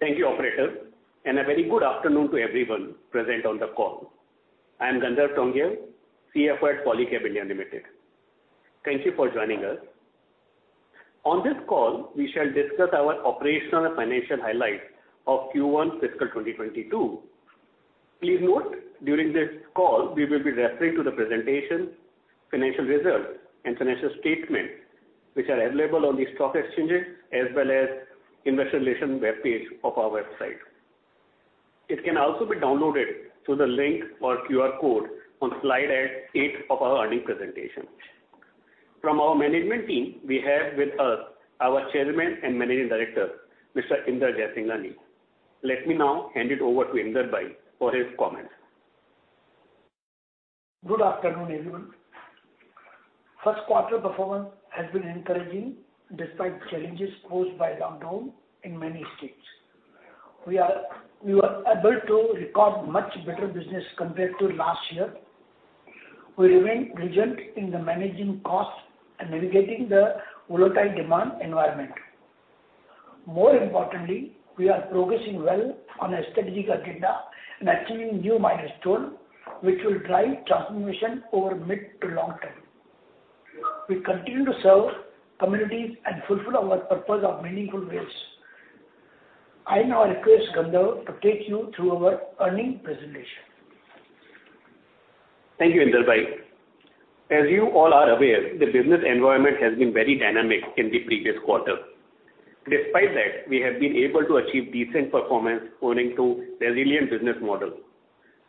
Thank you operator. A very good afternoon to everyone present on the call. I'm Gandharv Tongia, CFO at Polycab India Limited. Thank you for joining us. On this call, we shall discuss our operational and financial highlights of Q1 fiscal 2022. Please note, during this call, we will be referring to the presentation, financial results, and financial statements which are available on the stock exchanges as well as investor relations webpage of our website. It can also be downloaded through the link or QR code on slide eight of our earnings presentation. From our management team, we have with us our Chairman and Managing Director, Mr. Inder Jaisinghani. Let me now hand it over to Inder Bhai for his comments. Good afternoon, everyone. First quarter performance has been encouraging despite the challenges posed by lockdown in many states. We were able to record much better business compared to last year. We remained vigilant in the managing costs and navigating the volatile demand environment. More importantly, we are progressing well on our strategic agenda and achieving new milestones, which will drive transformation over mid to long term. We continue to serve communities and fulfill our purpose of meaningful ways. I now request Gandharv to take you through our earnings presentation. Thank you, Inder Bhai. As you all are aware, the business environment has been very dynamic in the previous quarter. Despite that, we have been able to achieve decent performance owing to resilient business model.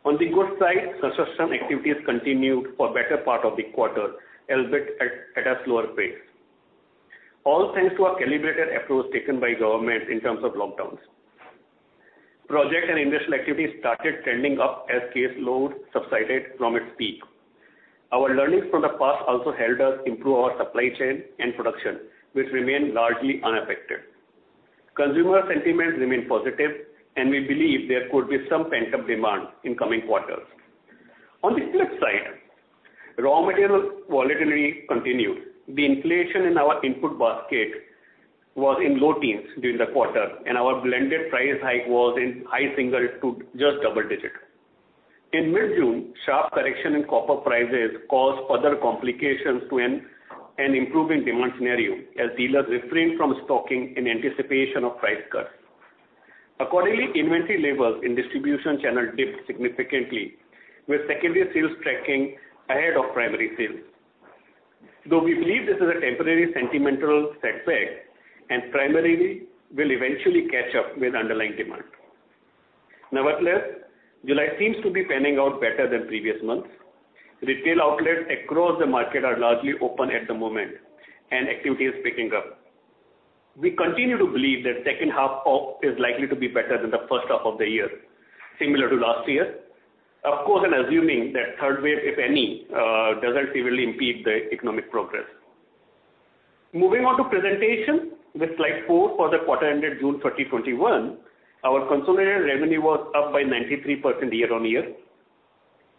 On the good side, construction activities continued for better part of the quarter, albeit at a slower pace. All thanks to a calibrated approach taken by government in terms of lockdowns. Project and industrial activities started trending up as caseload subsided from its peak. Our learnings from the past also helped us improve our supply chain and production, which remained largely unaffected. Consumer sentiments remain positive, and we believe there could be some pent-up demand in coming quarters. On the flip side, raw material volatility continued. The inflation in our input basket was in low teens during the quarter, and our blended price hike was in high single to just double digit. In mid-June, sharp correction in copper prices caused further complications to an improving demand scenario, as dealers refrained from stocking in anticipation of price cuts. Accordingly, inventory levels in distribution channel dipped significantly, with secondary sales tracking ahead of primary sales. We believe this is a temporary sentimental setback, and primarily will eventually catch up with underlying demand. July seems to be panning out better than previous months. Retail outlets across the market are largely open at the moment, and activity is picking up. We continue to believe that second half is likely to be better than the first half of the year, similar to last year. Of course, assuming that third wave, if any, doesn't severely impede the economic progress. Moving on to presentation, with slide four for the quarter ended June 2021. Our consolidated revenue was up by 93% year-over-year.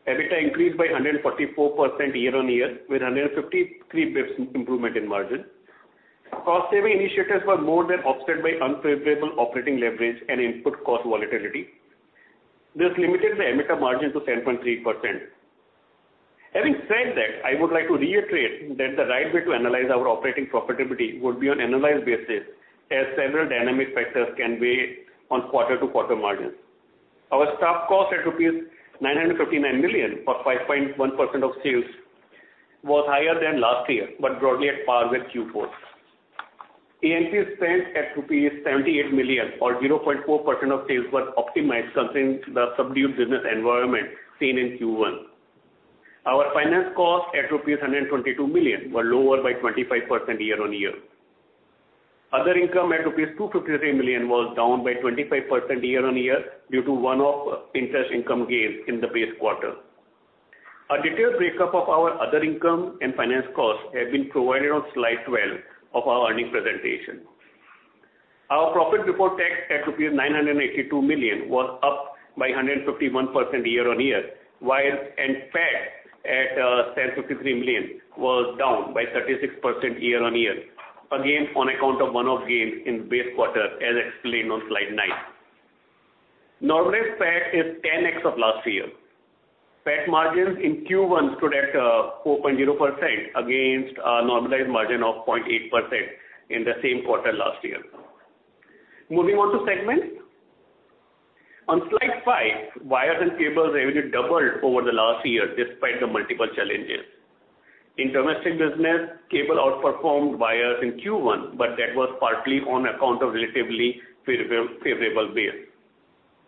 EBITDA increased by 144% year-on-year with 153 basis points improvement in margin. Cost-saving initiatives were more than offset by unfavorable operating leverage and input cost volatility. This limited the EBITDA margin to 10.3%. Having said that, I would like to reiterate that the right way to analyze our operating profitability would be on analyzed basis, as several dynamic factors can weigh on quarter-to-quarter margins. Our staff cost at rupees 959 million or 5.1% of sales was higher than last year, but broadly at par with Q4. A&P spend at rupees 78 million or 0.4% of sales was optimized concerning the subdued business environment seen in Q1. Our finance cost at rupees 122 million was lower by 25% year-on-year. Other income at rupees 253 million was down by 25% year-on-year due to one-off interest income gain in the base quarter. A detailed breakup of our other income and finance costs have been provided on slide 12 of our earnings presentation. Our profit before tax at 982 million was up by 151% year-on-year. NPAT at 1,053 million was down by 36% year-on-year, again on account of one-off gains in base quarter as explained on slide nine. Normalized PAT is 10x up last year. PAT margins in Q1 stood at 4.0% against a normalized margin of 0.8% in the same quarter last year. Moving on to segments. On slide five, wires and cables revenue doubled over the last year despite the multiple challenges. In domestic business, cable outperformed wires in Q1, that was partly on account of relatively favorable base.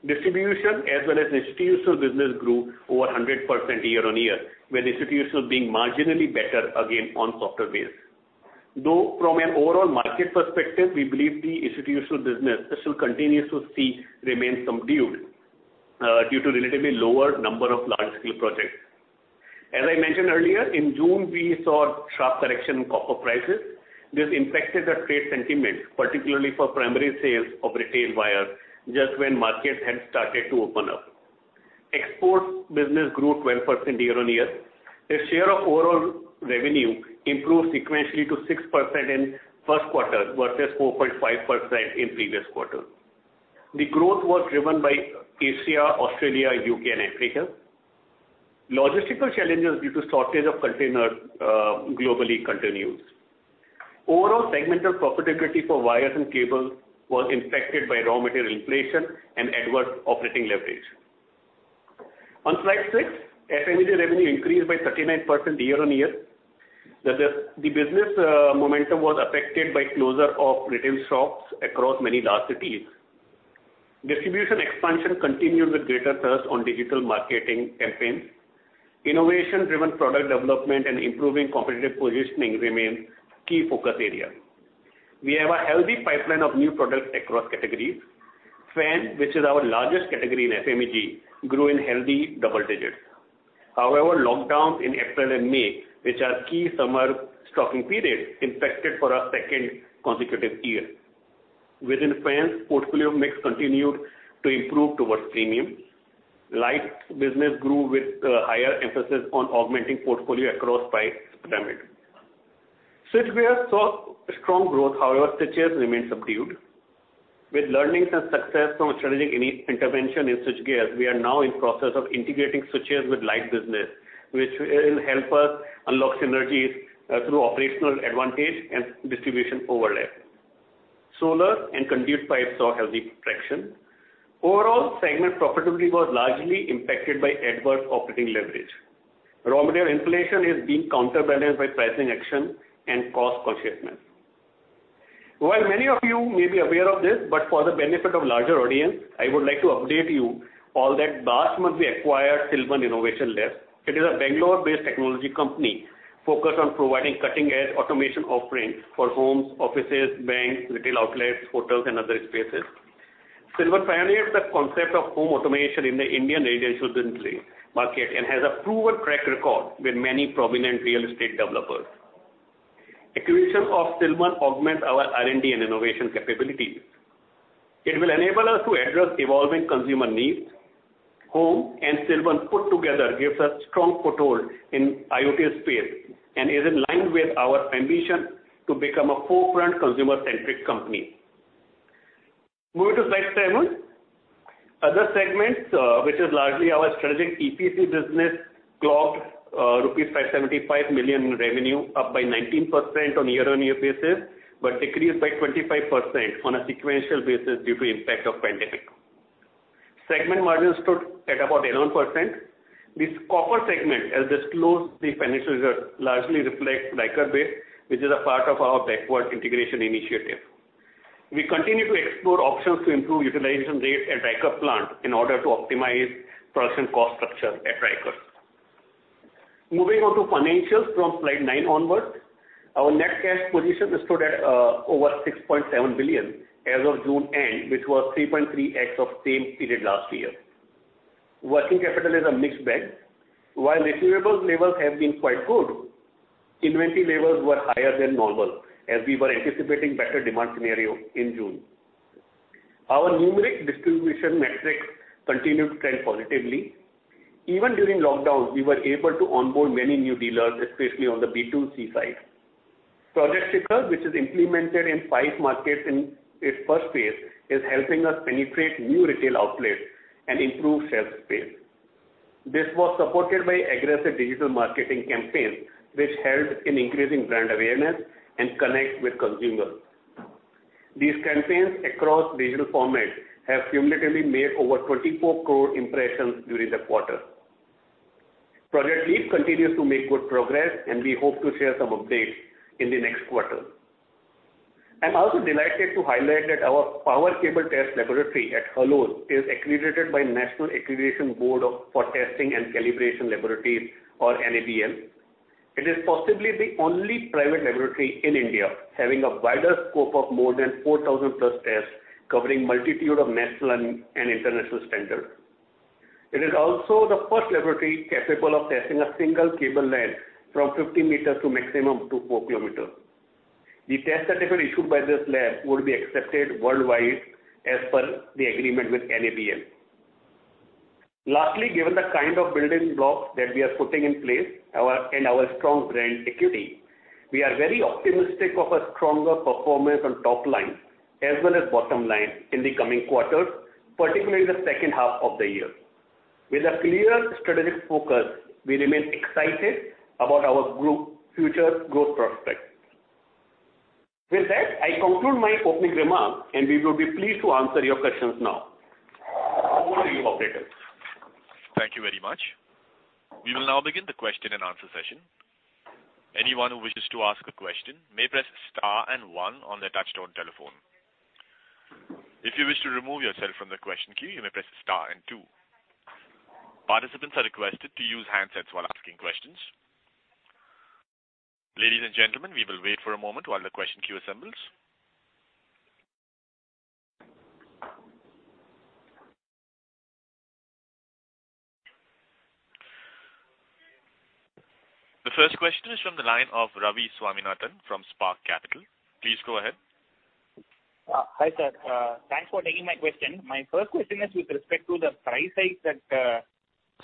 Distribution as well as institutional business grew over 100% year-on-year, with institutional being marginally better again on softer base. Though from an overall market perspective, we believe the institutional business still continues to see remain subdued, due to relatively lower number of large scale projects. As I mentioned earlier, in June, we saw sharp correction in copper prices. This impacted the trade sentiment, particularly for primary sales of retail wires just when markets had started to open up. Exports business grew 12% year-on-year. Its share of overall revenue improved sequentially to 6% in first quarter versus 4.5% in previous quarter. The growth was driven by Asia, Australia, U.K., and Africa. Logistical challenges due to shortage of containers globally continues. Overall segmental profitability for wires and cable was impacted by raw material inflation and adverse operating leverage. On slide six, FMEG revenue increased by 39% year-on-year. The business momentum was affected by closure of retail shops across many large cities. Distribution expansion continued with greater thrust on digital marketing campaigns. Innovation-driven product development and improving competitive positioning remains key focus areas. We have a healthy pipeline of new products across categories. Fan, which is our largest category in FMEG, grew in healthy double digits. However, lockdowns in April and May, which are key summer stocking periods, impacted for a second consecutive year. Within fans, portfolio mix continued to improve towards premium. Light business grew with higher emphasis on augmenting portfolio across price pyramid. Switchgear saw strong growth, however, switches remained subdued. With learnings and success from a strategic intervention in switchgear, we are now in process of integrating switches with light business, which will help us unlock synergies through operational advantage and distribution overlap. Solar and conduit pipes saw healthy traction. Overall segment profitability was largely impacted by adverse operating leverage. Raw material inflation is being counterbalanced by pricing action and cost consciousness. While many of you may be aware of this, but for the benefit of larger audience, I would like to update you all that Polycab was acquired Silvan Innovation Labs. It is a Bangalore-based technology company focused on providing cutting-edge automation offerings for homes, offices, banks, retail outlets, hotels, and other spaces. Silvan pioneered the concept of home automation in the Indian residential market and has a proven track record with many prominent real estate developers. Acquisition of Silvan augments our R&D and innovation capabilities. It will enable us to address evolving consumer needs. HOHM and Silvan put together gives a strong foothold in IoT space and is in line with our ambition to become a forefront consumer-centric company. Moving to slide seven. Other segments, which is largely our strategic EPC business, clocked rupees 575 million in revenue, up by 19% on year-on-year basis, but decreased by 25% on a sequential basis due to impact of pandemic. Segment margin stood at about 11%. This other segment, as disclosed, the financial result largely reflects Ryker Base, which is a part of our backward integration initiative. We continue to explore options to improve utilization rate at Ryker plant in order to optimize production cost structure at Ryker. Moving on to financials from slide nine onwards. Our net cash position stood at over 6.7 billion as of June end, which was 3.3x of same period last year. Working capital is a mixed bag. While receivables levels have been quite good, inventory levels were higher than normal, as we were anticipating better demand scenario in June. Our numeric distribution metrics continued to trend positively. Even during lockdown, we were able to onboard many new dealers, especially on the B2C side. Project Shikhar, which is implemented in five markets in its first phase, is helping us penetrate new retail outlets and improve shelf space. This was supported by aggressive digital marketing campaigns, which helped in increasing brand awareness and connect with consumers. These campaigns across digital formats have cumulatively made over 24 crore impressions during the quarter. Project LEAP continues to make good progress, and we hope to share some updates in the next quarter. I'm also delighted to highlight that our power cable test laboratory at Halol is accredited by National Accreditation Board for Testing and Calibration Laboratories, or NABL. It is possibly the only private laboratory in India having a wider scope of more than 4,000+ tests covering multitude of national and international standards. It is also the first laboratory capable of testing a single cable length from 50 meters to maximum to 4 kilometers. The test certificate issued by this lab would be accepted worldwide as per the agreement with NABL. Lastly, given the kind of building blocks that we are putting in place and our strong brand equity, we are very optimistic of a stronger performance on top line as well as bottom line in the coming quarters, particularly in the second half of the year. With a clear strategic focus, we remain excited about our group future growth prospects. With that, I conclude my opening remarks, and we will be pleased to answer your questions now. Over to you, operators. Thank you very much. We will now begin the question and answer session. The first question is from the line of Ravi Swaminathan from Spark Capital. Please go ahead. Hi, sir. Thanks for taking my question. My first question is with respect to the price hike that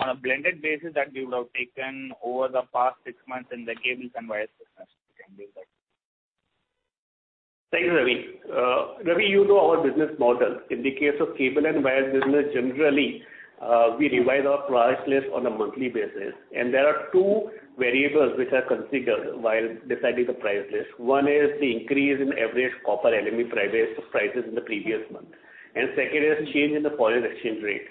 on a blended basis that you would have taken over the past six months in the cables and wires business. If you can give that. Thanks, Ravi. Ravi, you know our business model. In the case of cable and wire business, generally, we revise our price list on a monthly basis. There are two variables which are considered while deciding the price list. One is the increase in average copper LME prices in the previous month, second is the change in the foreign exchange rate.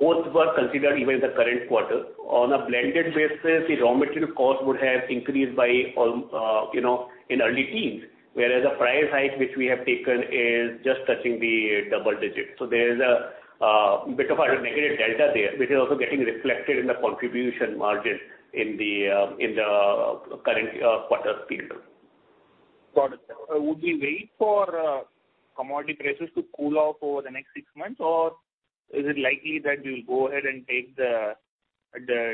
Both were considered even in the current quarter. On a blended basis, the raw material cost would have increased by in early teens, whereas the price hike which we have taken is just touching the double digits. There's a bit of a negative delta there, which is also getting reflected in the contribution margin in the current quarter period. Got it. Would we wait for commodity prices to cool off over the next six months, or is it likely that we'll go ahead and take the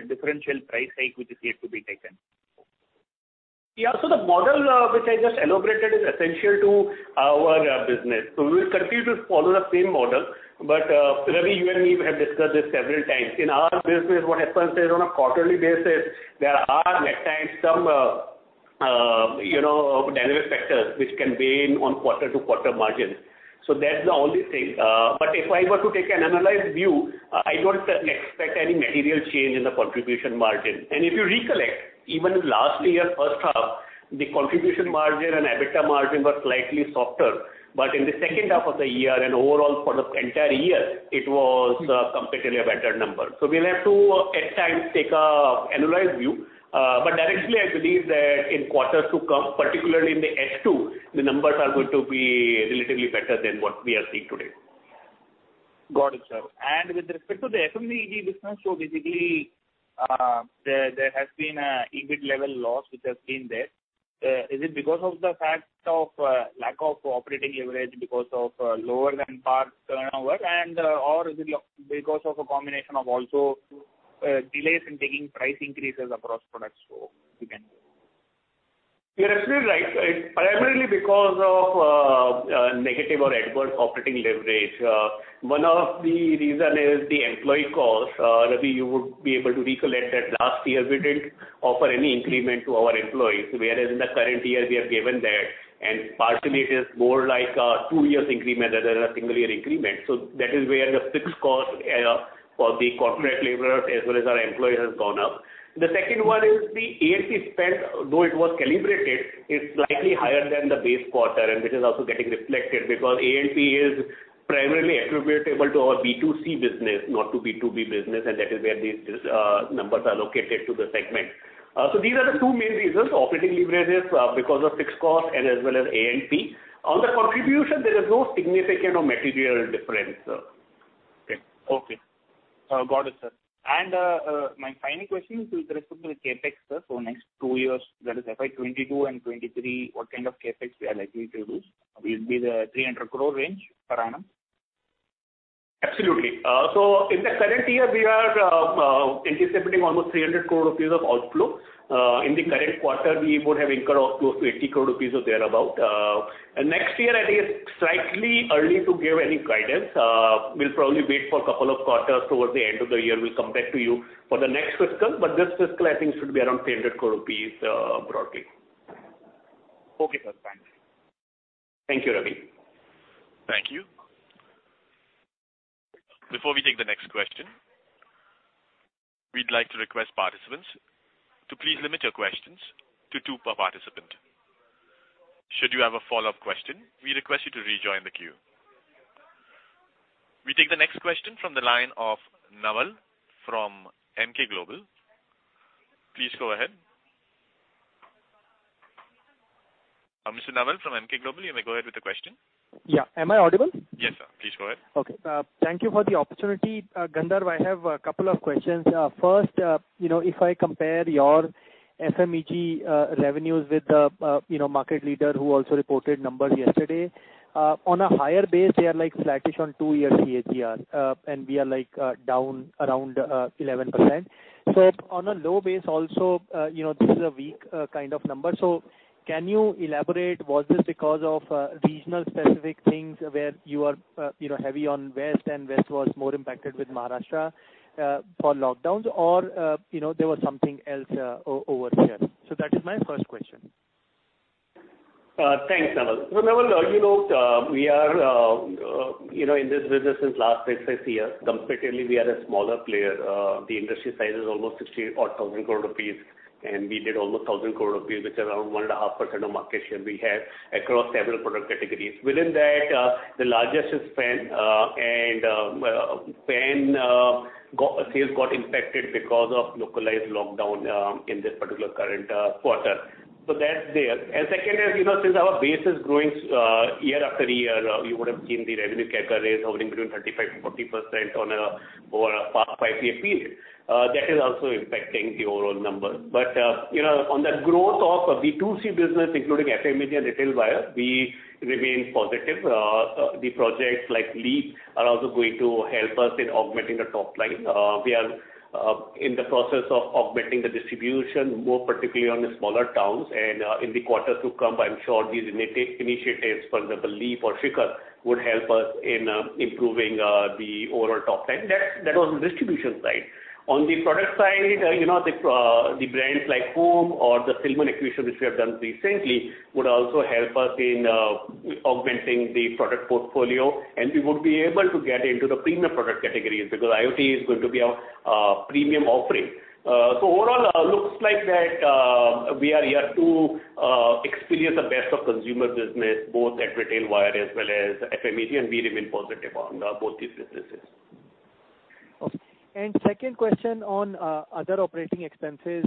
differential price hike, which is yet to be taken? Yeah. The model which I just elaborated is essential to our business. We will continue to follow the same model. Ravi, you and me have discussed this several times. In our business what happens is on a quarterly basis, there are at times some dynamic factors which can weigh in on quarter-to-quarter margins. That's the only thing. If I were to take an annualized view, I don't expect any material change in the contribution margin. If you recollect, even last year first half, the contribution margin and EBITDA margin were slightly softer. In the second half of the year and overall for the entire year, it was comparatively a better number. We'll have to, at times, take an annualized view. Directly, I believe that in quarters to come, particularly in the H2, the numbers are going to be relatively better than what we are seeing today. Got it, sir. With respect to the FMEG business, basically, there has been a EBIT level loss which has been there. Is it because of the fact of lack of operating leverage because of lower than par turnover? Is it because of a combination of also delays in taking price increases across products too? You're absolutely right. It's primarily because of negative or adverse operating leverage. One of the reasons is the employee cost. Ravi, you would be able to recollect that last year we didn't offer any increment to our employees, whereas in the current year, we have given that, and partially it is more like a two years increment rather than a one year increment. That is where the fixed cost for the corporate laborers as well as our employees has gone up. The second one is the A&P spend, though it was calibrated, is slightly higher than the base quarter, which is also getting reflected because A&P is primarily attributable to our B2C business, not to B2B business, that is where these numbers are allocated to the segment. These are the two main reasons, operating leverages because of fixed cost and as well as A&P. On the contribution, there is no significant or material difference, sir. Okay. Got it, sir. My final question is with respect to the CapEx, sir. Next two years, that is FY 2022 and 2023, what kind of CapEx we are likely to use? Will it be the 300 crore range per annum? Absolutely. In the current year, we are anticipating almost 300 crore rupees of outflow. In the current quarter, we would have incurred outflow of 80 crore rupees or thereabout. Next year, I think it is slightly early to give any guidance. We will probably wait for a couple of quarters towards the end of the year. We will come back to you for the next fiscal. This fiscal, I think, should be around 300 crore rupees, broadly. Okay, sir. Thanks. Thank you, Ravi. Thank you. Before we take the next question, we'd like to request participants to please limit your questions to two per participant. Should you have a follow-up question, we request you to rejoin the queue. We take the next question from the line of Naval from Emkay Global. Please go ahead. Mr. Naval from Emkay Global, you may go ahead with the question. Yeah. Am I audible? Yes, sir. Please go ahead. Okay. Thank you for the opportunity. Gandharv, I have a couple of questions. First, if I compare your FMEG revenues with the market leader who also reported numbers yesterday, on a higher base, they are like flattish on two-year CAGR, and we are down around 11%. On a low base also, this is a weak kind of number. Can you elaborate, was this because of regional specific things where you are heavy on west and west was more impacted with Maharashtra for lockdowns or there was something else over here? That is my first question. Thanks, Naval. Naval, we are in this business since last six, seven years. Comparatively, we are a smaller player. The industry size is almost 60,000 crore rupees, and we did almost 1,000 crore rupees, which is around 1.5% of market share we have across several product categories. Within that, the largest is fan. Sales got impacted because of localized lockdown in this particular current quarter. That is there. Second is, since our base is growing year after year, you would have seen the revenue CAGR is hovering between 35%-40% on a over a five-year period. That is also impacting the overall number. On that growth of B2C business, including FMEG and retail wire, we remain positive. The projects like LEAP are also going to help us in augmenting the top line. We are in the process of augmenting the distribution, more particularly on the smaller towns and in the quarters to come, I'm sure these initiatives, for example, LEAP or Shikhar, would help us in improving the overall top line. That was the distribution side. On the product side, the brands like HOHM or the Silvan acquisition, which we have done recently, would also help us in augmenting the product portfolio, and we would be able to get into the premium product categories because IoT is going to be our premium offering. Overall, looks like that we are here to experience the best of consumer business, both at retail wire as well as FMEG, and we remain positive on both these businesses. Okay. Second question on other operating expenses,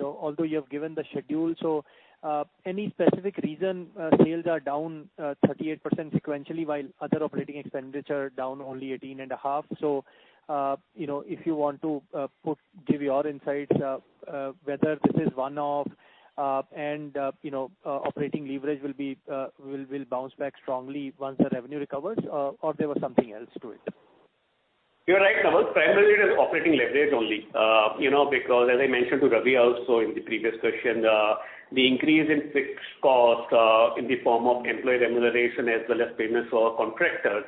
although you have given the schedule. Any specific reason sales are down 38% sequentially while other operating expenditures are down only 18.5%? If you want to give your insights, whether this is one-off, and operating leverage will bounce back strongly once the revenue recovers, or there was something else to it. You're right, Naval. Primarily, it is operating leverage only. As I mentioned to Ravi also in the previous question, the increase in fixed cost in the form of employee remuneration as well as payments for contractors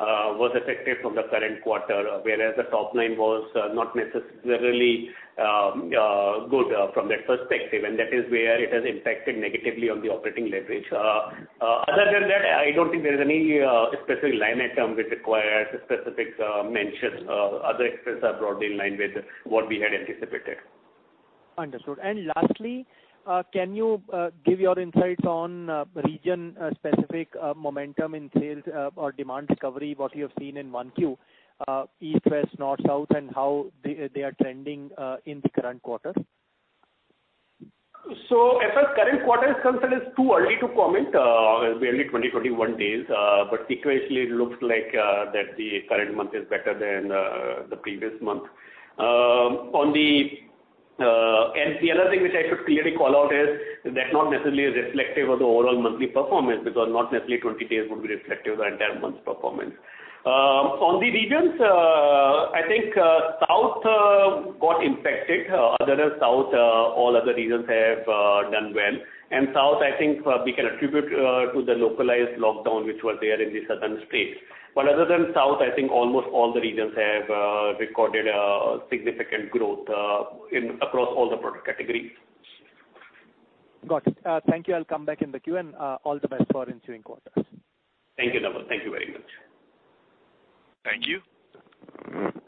was affected from the current quarter, whereas the top line was not necessarily good from that perspective, and that is where it has impacted negatively on the operating leverage. Other than that, I don't think there is any specific line item which requires specific mention. Other expenses are broadly in line with what we had anticipated. Understood. Lastly, can you give your insights on region-specific momentum in sales or demand recovery, what you have seen in 1Q East, West, North, South, and how they are trending in the current quarter? As far as current quarter is concerned, it's too early to comment. It's barely 20, 21 days, but sequentially, it looks like that the current month is better than the previous month. The other thing which I could clearly call out is that's not necessarily reflective of the overall monthly performance because not necessarily 20 days would be reflective of the entire month's performance. On the regions, I think South got impacted. Other than South, all other regions have done well. South, I think we can attribute to the localized lockdown, which was there in the southern states. Other than South, I think almost all the regions have recorded a significant growth across all the product categories. Got it. Thank you. I'll come back in the queue, and all the best for ensuing quarters. Thank you, Naval. Thank you very much. Thank you.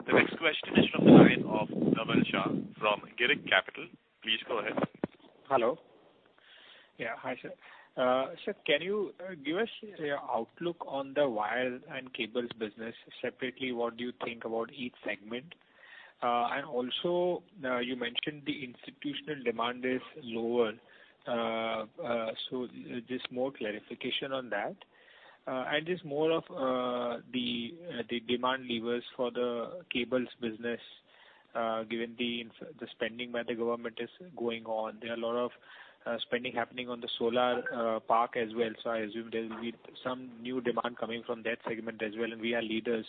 The next question is from the line of Dhaval Shah from Girik Capital. Please go ahead. Hello. Yeah. Hi, sir. Sir, can you give us your outlook on the wire and cables business separately? What do you think about each segment? You mentioned the institutional demand is lower, so just more clarification on that. Just more of the demand levers for the cables business, given the spending by the government is going on. There are a lot of spending happening on the solar park as well, so I assume there will be some new demand coming from that segment as well, and we are leaders.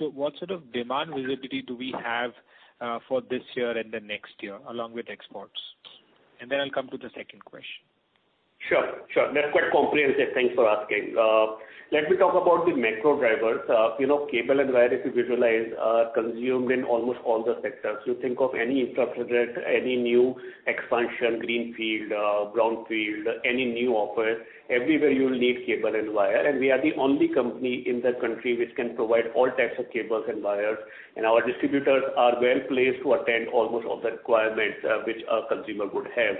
What sort of demand visibility do we have for this year and the next year, along with exports? I'll come to the second question. Sure. That's quite comprehensive. Thanks for asking. Let me talk about the macro drivers. Cable and wire, if you visualize, are consumed in almost all the sectors. You think of any infrastructure, any new expansion, greenfield, brownfield, any new office, everywhere you'll need cable and wire. We are the only company in the country which can provide all types of cables and wires, and our distributors are well-placed to attend almost all the requirements which a consumer would have.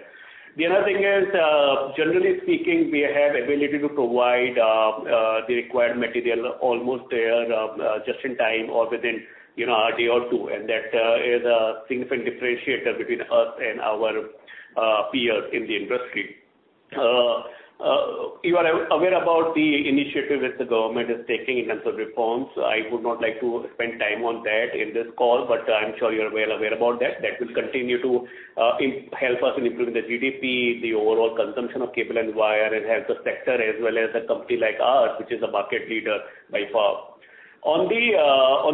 The other thing is, generally speaking, we have ability to provide the required material almost there just in time or within a day or two, and that is a significant differentiator between us and our peers in the industry. You are aware about the initiative which the government is taking in terms of reforms. I would not like to spend time on that in this call, but I'm sure you're well aware about that. That will continue to help us in improving the GDP, the overall consumption of cable and wire. It helps the sector as well as a company like ours, which is a market leader by far. On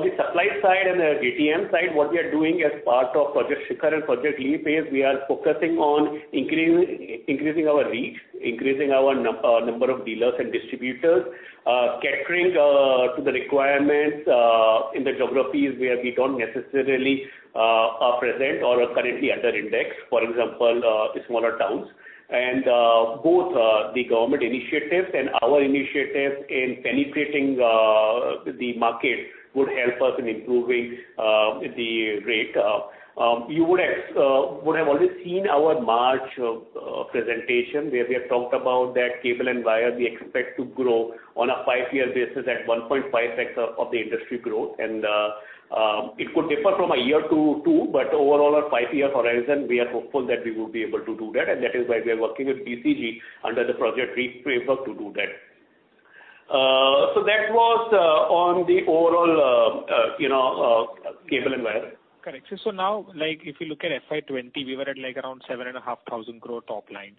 the supply side and the GTM side, what we are doing as part of Project Shikhar and Project LEAP is we are focusing on increasing our reach, increasing our number of dealers and distributors, catering to the requirements in the geographies where we don't necessarily are present or are currently under index, for example, the smaller towns. Both the government initiatives and our initiatives in penetrating the market would help us in improving the rate. You would have already seen our March presentation where we had talked about that cable and wire, we expect to grow on a five-year basis at 1.5 times of the industry growth. It could differ from a year to two, but overall, our five-year horizon, we are hopeful that we will be able to do that, and that is why we are working with BCG under the Project LEAP framework to do that. That was on the overall cable and wire. Correct. If you look at FY 2020, we were at around 7,500 crore top line.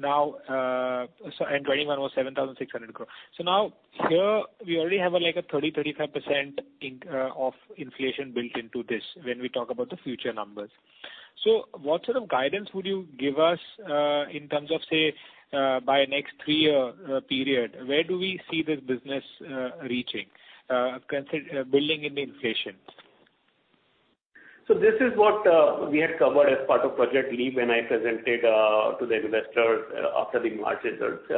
FY 2021 was 7,600 crore. Now here, we already have a 30%-35% of inflation built into this when we talk about the future numbers. What sort of guidance would you give us in terms of, say, by next three-year period, where do we see this business reaching, building in the inflation? This is what we had covered as part of Project LEAP when I presented to the investors after the March results.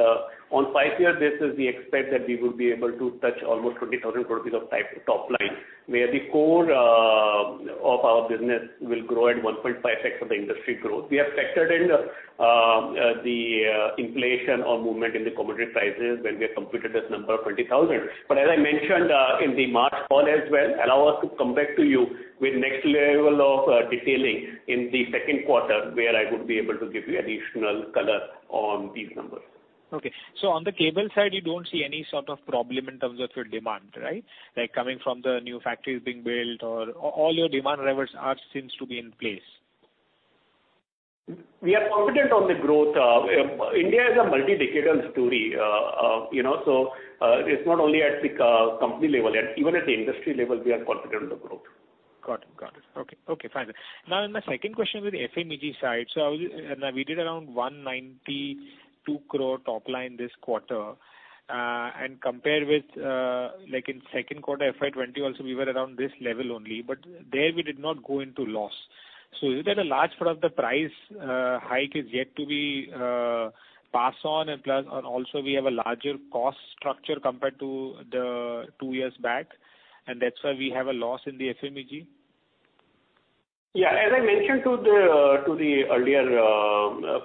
On five-year, this is, we expect that we will be able to touch almost 20,000 crore rupees of top line, where the core of our business will grow at 1.5x of the industry growth. We have factored in the inflation or movement in the commodity prices when we have computed this number of 20,000. As I mentioned in the March call as well, allow us to come back to you with next level of detailing in the second quarter, where I would be able to give you additional color on these numbers. Okay. On the cable side, you don't see any sort of problem in terms of your demand, right? Like coming from the new factories being built or all your demand drivers are seems to be in place? We are confident on the growth. India is a multi-decadal story. It's not only at the company level, even at the industry level, we are confident of the growth. Got it. Okay, fine then. Now, in my second question with the FMEG side, so we did around 192 crore top line this quarter, and compared with second quarter FY 2020 also, we were around this level only, but there we did not go into loss. Is it that a large part of the price hike is yet to be passed on, and plus, also we have a larger cost structure compared to the two years back, and that's why we have a loss in the FMEG? Yeah, as I mentioned to the earlier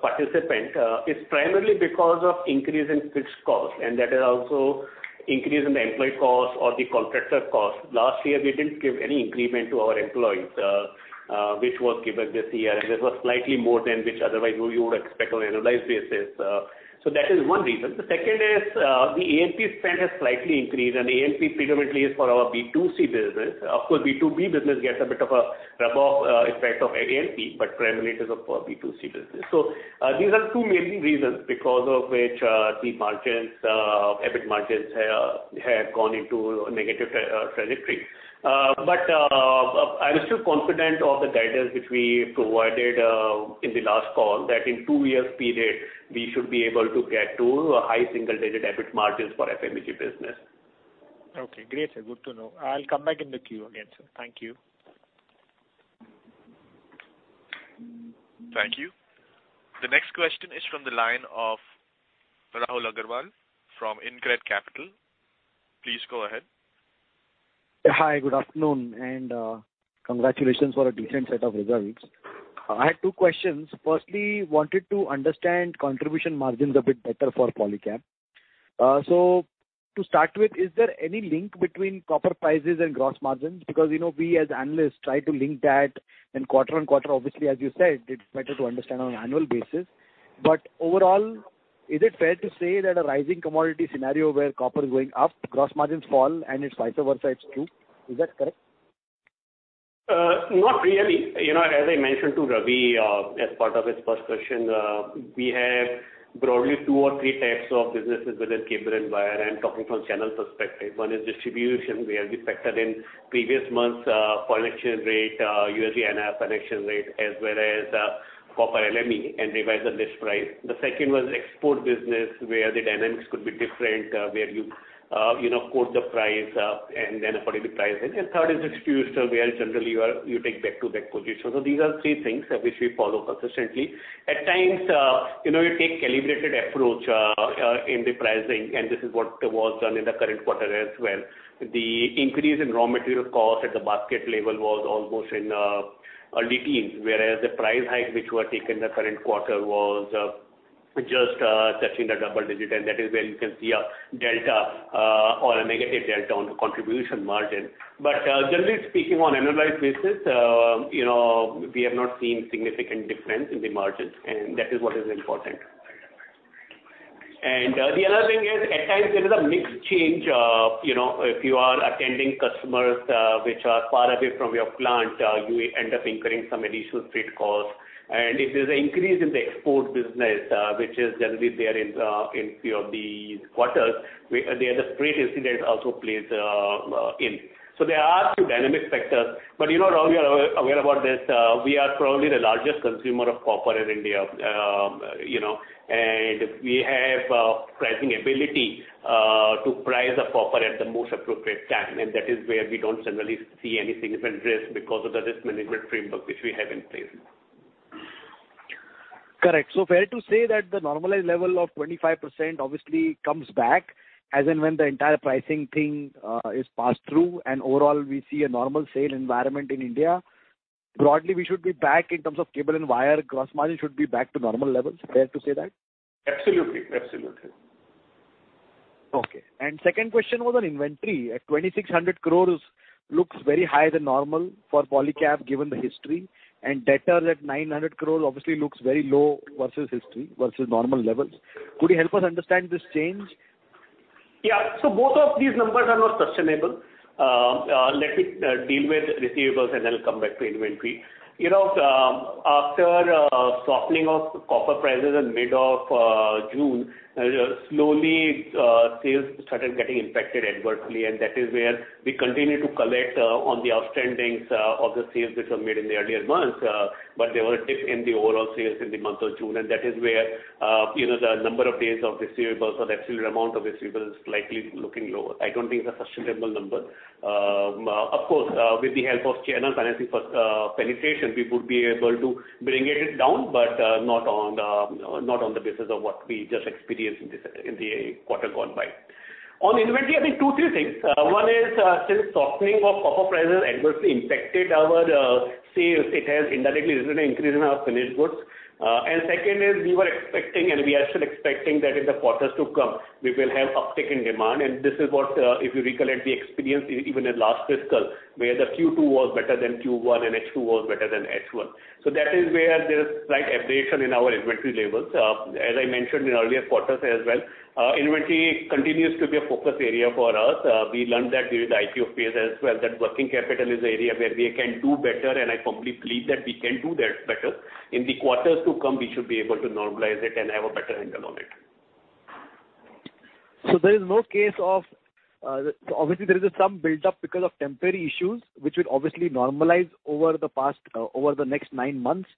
participant, it's primarily because of increase in fixed cost, and that is also increase in the employee cost or the contractor cost. Last year, we didn't give any increment to our employees, which was given this year, and this was slightly more than which otherwise you would expect on an annualized basis. That is one reason. The second is the A&P spend has slightly increased, and A&P predominantly is for our B2C business. Of course, B2B business gets a bit of a rub-off effect of A&P, but primarily it is for B2C business. These are two main reasons because of which the EBIT margins have gone into a negative trajectory. I'm still confident of the guidance which we provided in the last call, that in two years' period, we should be able to get to high single-digit EBIT margins for FMEG business. Okay, great. Good to know. I'll come back in the queue again, sir. Thank you. Thank you. The next question is from the line of Rahul Agarwal from InCred Capital. Please go ahead. Hi, good afternoon. Congratulations for a decent set of results. I had two questions. Firstly, wanted to understand contribution margins a bit better for Polycab. To start with, is there any link between copper prices and gross margins? We, as analysts, try to link that and quarter-on-quarter, obviously, as you said, it's better to understand on an annual basis. Overall, is it fair to say that a rising commodity scenario where copper is going up, gross margins fall and it's vice versa, it's true? Is that correct? Not really. As I mentioned to Ravi, as part of his first question, we have broadly two or three types of businesses within cable and wire. I'm talking from channel perspective. One is distribution, where we factored in previous months' foreign exchange rate, USD-INR connection rate, as well as copper LME, and revised the list price. The second was export business, where the dynamics could be different, where you quote the price and then according to price. Third is distribution, where generally you take back-to-back positions. These are three things which we follow consistently. At times, you take calibrated approach in the pricing, and this is what was done in the current quarter as well. The increase in raw material cost at the basket level was almost in early teens, whereas the price hike which were taken in the current quarter was just touching the double digit. That is where you can see a delta or a negative delta on the contribution margin. Generally speaking, on annualized basis, we have not seen significant difference in the margins. That is what is important. The other thing is, at times there is a mix change. If you are attending customers which are far away from your plant, you end up incurring some additional freight costs. If there's an increase in the export business, which is generally there in few of these quarters, the freight incident also plays in. There are two dynamic sectors. You are aware about this. We are probably the largest consumer of copper in India, and we have pricing ability to price the copper at the most appropriate time, and that is where we don't generally see any significant risk because of the risk management framework which we have in place. Correct. Fair to say that the normalized level of 25% obviously comes back as and when the entire pricing thing is passed through, and overall, we see a normal sale environment in India. Broadly, we should be back in terms of cable and wire, gross margin should be back to normal levels. Fair to say that? Absolutely. Okay. Second question was on inventory. At 2,600 crore looks very high than normal for Polycab, given the history, and debtor at 900 crore obviously looks very low versus history, versus normal levels. Could you help us understand this change? Yeah. Both of these numbers are not sustainable. Let me deal with receivables and then I'll come back to inventory. After softening of copper prices in mid of June, slowly sales started getting impacted adversely, and that is where we continued to collect on the outstandings of the sales which were made in the earlier months. There was a dip in the overall sales in the month of June, and that is where the number of days of receivables or the absolute amount of receivables slightly looking lower. I don't think it's a sustainable number. Of course, with the help of channels and I think for penetration, we would be able to bring it down, but not on the basis of what we just experienced in the quarter gone by. On inventory, I think two, three things. One is, since softening of copper prices adversely impacted our sales, it has indirectly resulted in increase in our finished goods. Second is, we were expecting and we are still expecting that in the quarters to come, we will have uptick in demand. This is what, if you recollect the experience even in last fiscal, where the Q2 was better than Q1 and H2 was better than H1. That is where there's slight aberration in our inventory levels. As I mentioned in earlier quarters as well, inventory continues to be a focus area for us. We learned that during the IPO phase as well, that working capital is an area where we can do better, and I firmly believe that we can do that better. In the quarters to come, we should be able to normalize it and have a better handle on it. Obviously, there is some buildup because of temporary issues, which will obviously normalize over the next nine months.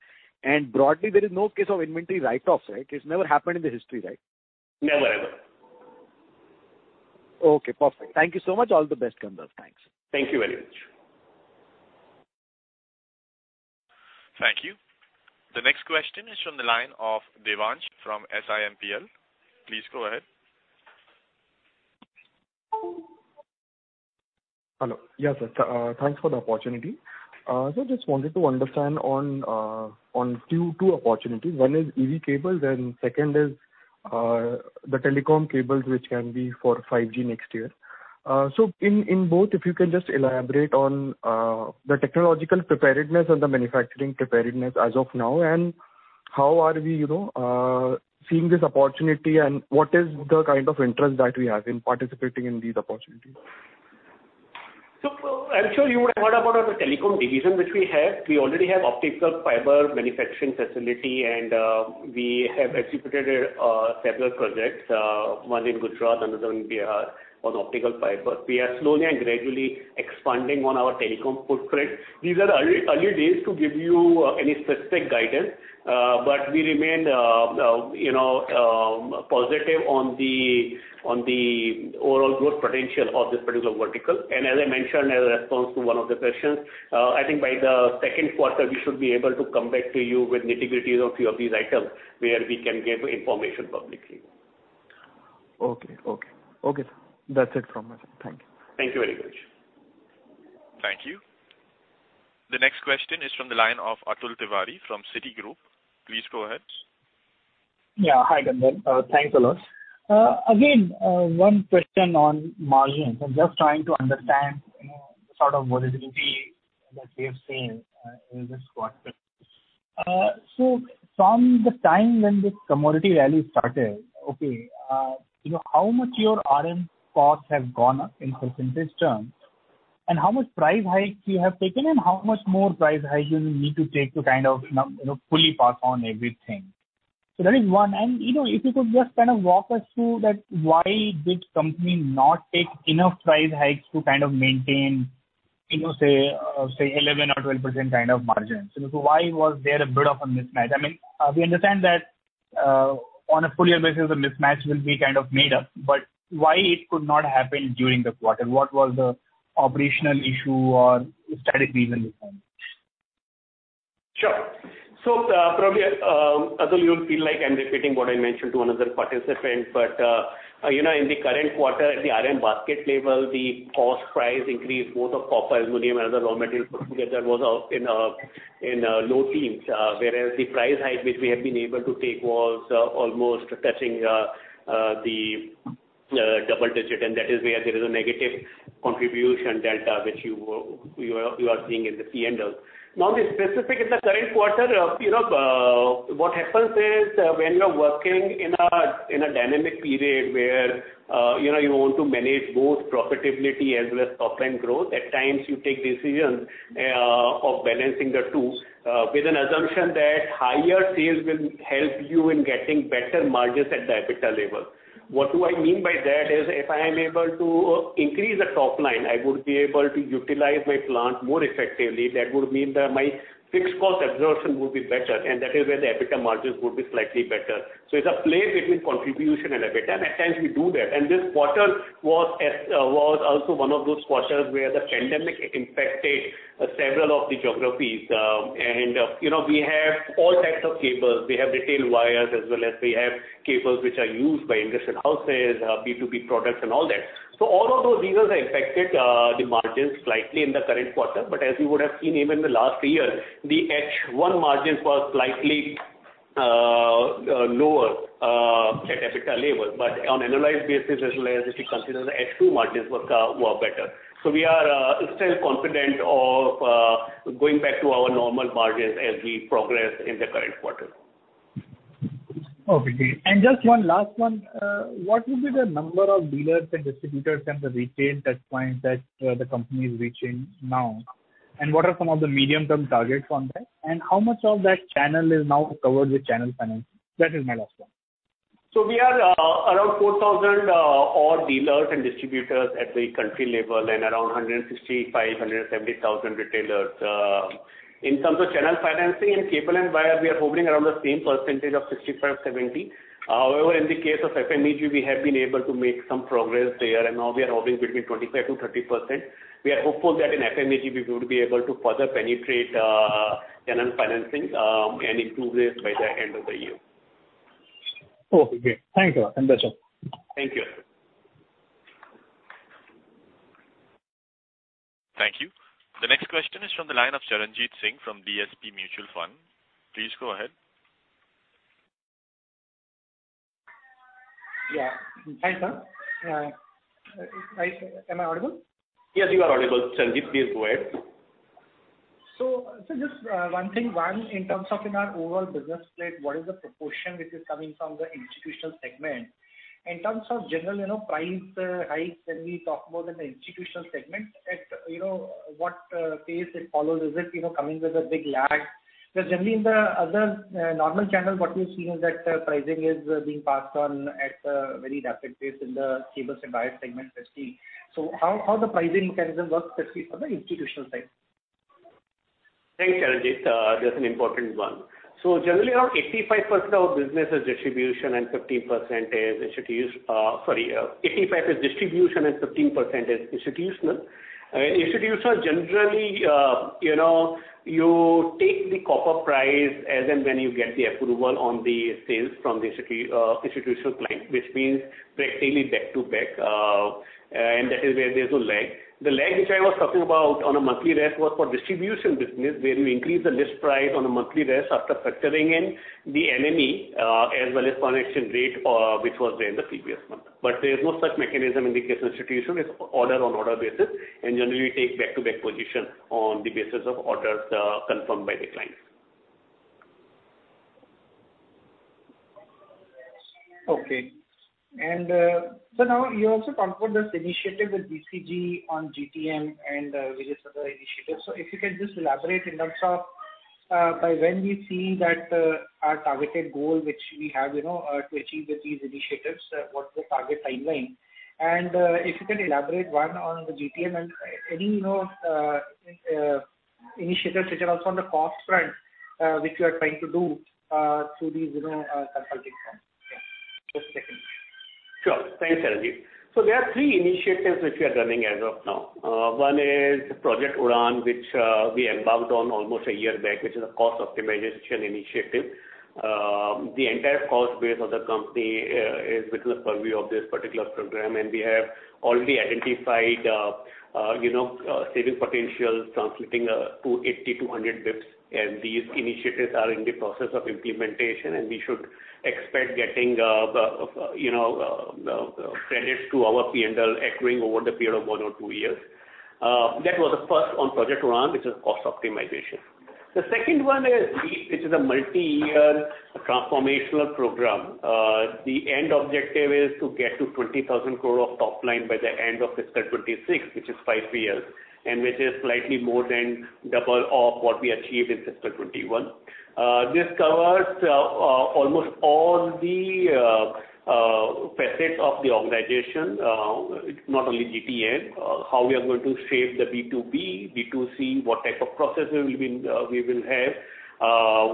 Broadly, there is no case of inventory write-offs, right? It has never happened in the history, right? Never, ever. Okay, perfect. Thank you so much. All the best, Gandharv. Thanks. Thank you very much. Thank you. The next question is from the line of Devansh from SiMPL. Please go ahead. Hello. Yeah, sir. Thanks for the opportunity. Sir, just wanted to understand on two opportunities. One is EV cables and second is the telecom cables, which can be for 5G next year. In both, if you can just elaborate on the technological preparedness and the manufacturing preparedness as of now, and how are we seeing this opportunity, and what is the kind of interest that we have in participating in these opportunities? I'm sure you would have heard about our telecom division, which we have. We already have optical fiber manufacturing facility, and we have executed several projects, one in Gujarat, another in Bihar, on optical fiber. We are slowly and gradually expanding on our telecom footprint. These are early days to give you any specific guidance, but we remain positive on the overall growth potential of this particular vertical. As I mentioned as a response to one of the questions, I think by the second quarter, we should be able to come back to you with nitty-gritties of few of these items, where we can give information publicly. Okay. Okay, sir. That's it from my side. Thank you. Thank you very much. Thank you. The next question is from the line of Atul Tiwari from Citigroup. Please go ahead. Yeah. Hi, Gandharv. Thanks a lot. One question on margins. I'm just trying to understand the sort of volatility that we have seen in this quarter. From the time when this commodity rally started, okay, how much your RM costs have gone up in percentage terms, and how much price hikes you have taken, and how much more price hikes you will need to take to kind of fully pass on everything? That is one. If you could just kind of walk us through that, why did company not take enough price hikes to kind of maintain, say, 11% or 12% kind of margins? Why was there a bit of a mismatch? I mean, we understand that on a full year basis, the mismatch will be kind of made up, but why it could not happen during the quarter? What was the operational issue or strategic reason behind this? Sure. Probably, Atul, you'll feel like I'm repeating what I mentioned to another participant. In the current quarter, at the RM basket level, the cost price increase, both of copper, aluminum and other raw materials put together was in low teens. The price hike which we have been able to take was almost touching the double digit, and that is where there is a negative contribution delta, which you are seeing in the P&L. Being specific in the current quarter, what happens is when you're working in a dynamic period where you want to manage both profitability as well as top-line growth, at times you take decisions of balancing the two with an assumption that higher sales will help you in getting better margins at the EBITDA level. What do I mean by that is if I am able to increase the top line, I would be able to utilize my plant more effectively. That would mean that my fixed cost absorption would be better, and that is where the EBITDA margins would be slightly better. It's a play between contribution and EBITDA, and at times we do that. This quarter was also one of those quarters where the pandemic impacted several of the geographies. We have all types of cables. We have retail wires as well as we have cables which are used by industrial houses, B2B products and all that. All of those reasons affected the margins slightly in the current quarter. As you would have seen even in the last three years, the H1 margins were slightly lower EBITDA levels, but on annualized basis, as well as if you consider the H2 margins were better. We are still confident of going back to our normal margins as we progress in the current quarter. Okay. Just one last one. What will be the number of dealers and distributors and the retail touchpoints that the company is reaching now? What are some of the medium-term targets on that? How much of that channel is now covered with channel financing? That is my last one. We are around 4,000 or dealers and distributors at the country level and around 165,000-170,000 retailers. In terms of channel financing in cable and wire, we are hovering around the same percentage of 65%-70%. However, in the case of FMEG, we have been able to make some progress there, and now we are hovering between 25%-30%. We are hopeful that in FMEG, we would be able to further penetrate channel financing, and improve it by the end of the year. Okay, great. Thanks a lot. That's all. Thank you. Thank you. The next question is from the line of Charanjit Singh from DSP Mutual Fund. Please go ahead. Yeah. Hi, sir. Am I audible? Yes, you are audible. Charanjit, please go ahead. Just one thing, in terms of in our overall business split, what is the proportion which is coming from the institutional segment? In terms of general price hikes, when we talk about an institutional segment, at what pace it follows, is it coming with a big lag? Generally in the other normal channel, what we have seen is that pricing is being passed on at a very rapid pace in the cables and wire segment that we see. How the pricing mechanism works especially for the institutional side? Thanks, Charanjit. That's an important one. Generally, around 85% of our business is distribution and 15% is institutional. Institutional, generally, you take the copper price as and when you get the approval on the sales from the institutional client, which means practically back-to-back, and that is where there's no lag. The lag which I was talking about on a monthly rest was for distribution business, where we increase the list price on a monthly rest after factoring in the LME, as well as connection rate, which was there in the previous month. There's no such mechanism in the case of institutional, it's order on order basis, and generally we take back to back position on the basis of orders confirmed by the clients. Okay. Now you also talked about this initiative with BCG on GTM and various other initiatives. If you can just elaborate in terms of by when we see that our targeted goal, which we have to achieve with these initiatives, what's the target timeline? If you can elaborate one on the GTM and any initiatives which are also on the cost front, which you are trying to do through these consulting firms. Yeah. Just second. Sure. Thanks, Charanjit. There are three initiatives which we are running as of now. One is Project Udaan, which we embarked on almost one year back, which is a cost optimization initiative. The entire cost base of the company is within the purview of this particular program, and we have already identified saving potentials translating to 80-100 basis points, and these initiatives are in the process of implementation, and we should expect getting the credits to our P&L accruing over the period of one or two years. That was the first on Project Udaan, which is cost optimization. The second one is Project LEAP, which is a multi-year transformational program. The end objective is to get to 20,000 crore of top line by the end of fiscal 2026, which is five years, and which is slightly more than double of what we achieved in fiscal 2021. This covers almost all the facets of the organization, not only GTM, how we are going to shape the B2B, B2C, what type of processes we will have,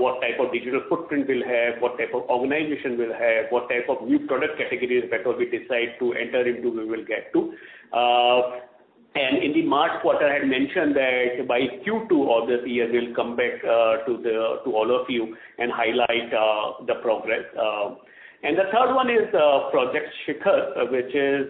what type of digital footprint we'll have, what type of organization we'll have, what type of new product categories that we decide to enter into, we will get to. In the March quarter, I had mentioned that by Q2 of this year, we'll come back to all of you and highlight the progress. The third one is Project Shikhar, which is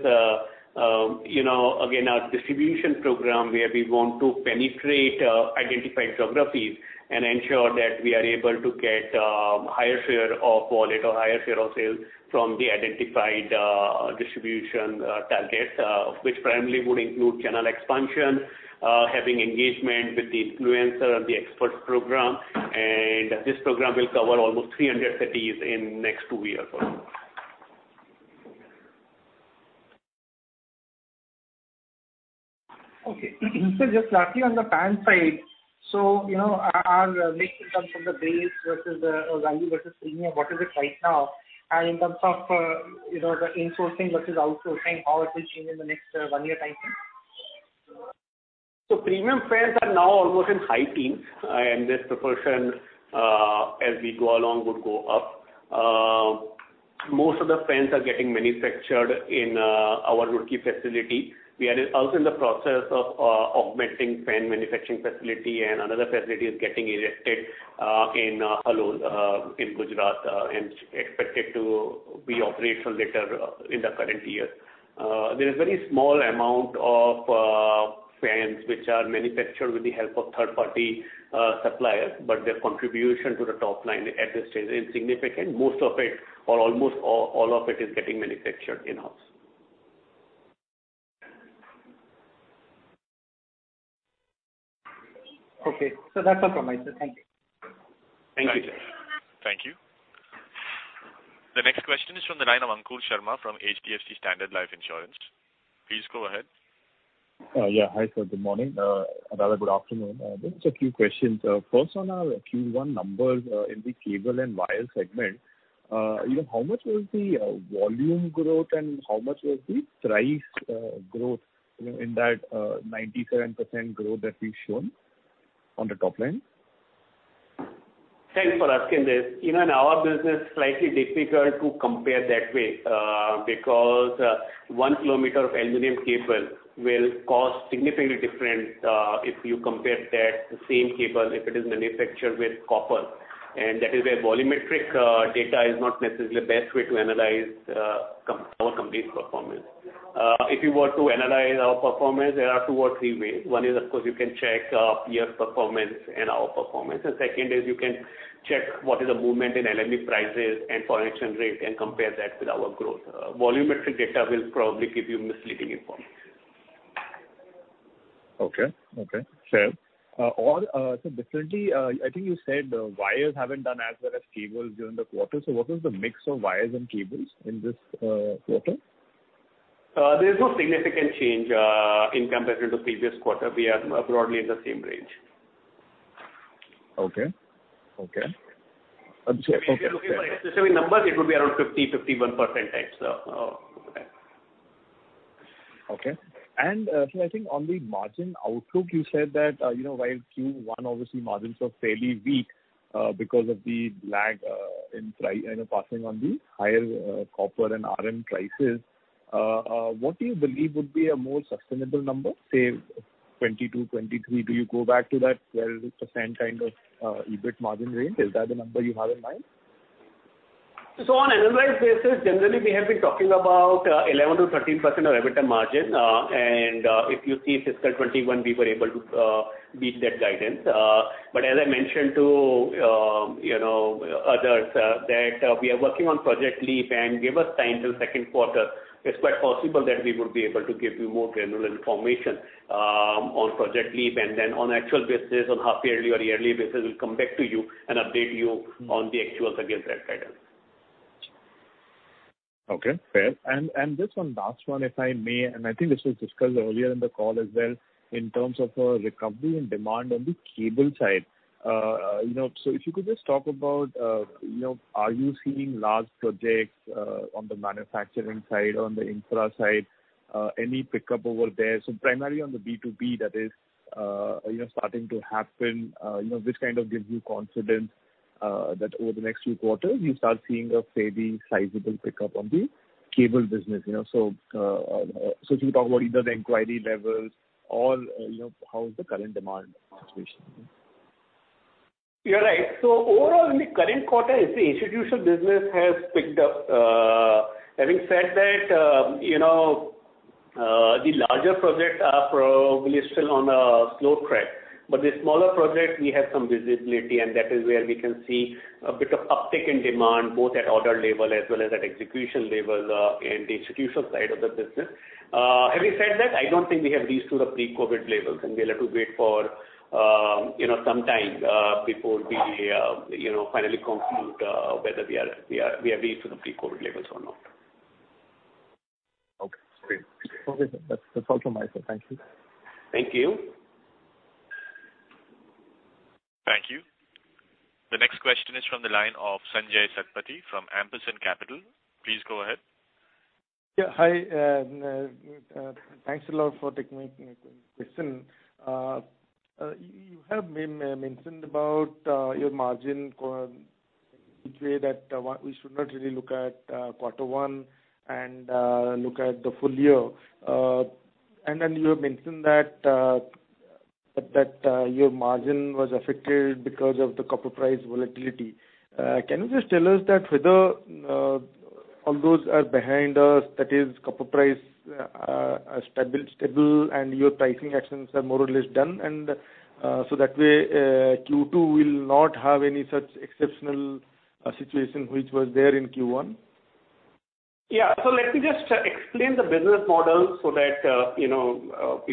again, our distribution program where we want to penetrate identified geographies and ensure that we are able to get a higher share of wallet or higher share of sales from the identified distribution targets, which primarily would include channel expansion, having engagement with the influencer and the expert program. This program will cover almost 300 cities in next two years or so. Okay. Sir, just lastly on the fan side, our mix in terms of the base versus value versus premium, what is it right now? In terms of the insourcing versus outsourcing, how it will change in the next one year time frame? Premium fans are now almost in high teens, and this proportion as we go along would go up. Most of the fans are getting manufactured in our Roorkee facility. We are also in the process of augmenting fan manufacturing facility and another facility is getting erected in Halol, in Gujarat, and expected to be operational later in the current year. There is very small amount of fans which are manufactured with the help of third-party suppliers, but their contribution to the top line at this stage is insignificant. Most of it, or almost all of it is getting manufactured in-house. Okay. That's all from myself. Thank you. Thank you. Thank you. The next question is from the line of Ankur Sharma from HDFC Standard Life Insurance. Please go ahead. Yeah. Hi, sir. Good morning. Rather, good afternoon. Just a few questions. First one on Q1 numbers in the cable and wire segment. How much was the volume growth and how much was the price growth in that 97% growth that we've shown on the top line? Thanks for asking this. In our business, slightly difficult to compare that way because one kilometer of aluminum cable will cost significantly different if you compare that same cable if it is manufactured with copper. That is where volumetric data is not necessarily the best way to analyze our complete performance. If you were to analyze our performance, there are two or three ways. One is, of course, you can check peer performance and our performance. The second is you can check what is the movement in LME prices and foreign exchange rate and compare that with our growth. Volumetric data will probably give you misleading information. Okay. Fair. Differently, I think you said wires haven't done as well as cables during the quarter. What was the mix of wires and cables in this quarter? There is no significant change in comparison to previous quarter. We are broadly in the same range. Okay. If you're looking for a specific number, it will be around 50%, 51% types. Okay. I think on the margin outlook, you said that while Q1, obviously margins were fairly weak because of the lag in passing on the higher copper and RM prices. What do you believe would be a more sustainable number, say, 2022, 2023? Do you go back to that 12% kind of EBIT margin range? Is that the number you have in mind? On analyzed basis, generally we have been talking about 11%-13% of EBITDA margin. If you see fiscal 2021, we were able to beat that guidance. As I mentioned to others, that we are working on Project LEAP and give us time till second quarter. It's quite possible that we would be able to give you more granular information on Project LEAP and then on actual basis, on half yearly or yearly basis, we'll come back to you and update you on the actuals against that guidance. Okay, fair. Just one last one, if I may, and I think this was discussed earlier in the call as well, in terms of recovery and demand on the cable side. If you could just talk about, are you seeing large projects on the manufacturing side, on the infra side, any pickup over there? Primarily on the B2B, that is starting to happen, which kind of gives you confidence that over the next few quarters you start seeing a fairly sizable pickup on the cable business. If you could talk about either the inquiry levels or how is the current demand situation looking? You're right. Overall, in the current quarter, the institutional business has picked up. Having said that, the larger projects are probably still on a slow track, but the smaller projects, we have some visibility, and that is where we can see a bit of uptick in demand, both at order level as well as at execution level in the institutional side of the business. Having said that, I don't think we have reached to the pre-COVID levels, and we'll have to wait for some time before we finally conclude whether we have reached to the pre-COVID levels or not. Okay, great. Okay, sir. That's all from myself. Thank you. Thank you. Thank you. The next question is from the line of Sanjaya Satapathy from Ampersand Capital. Please go ahead. Yeah, hi. Thanks a lot for taking my question. You have mentioned about your margin, which way that we should not really look at quarter one and look at the full year. You have mentioned that your margin was affected because of the copper price volatility. Can you just tell us that whether all those are behind us, that is copper price are stable and your pricing actions are more or less done, that way, Q2 will not have any such exceptional situation which was there in Q1? Yeah. Let me just explain the business model so that you